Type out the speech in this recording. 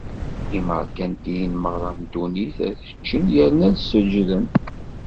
Imeṛkantiyen merra n ddunit ad ččen yerna ad seǧǧden.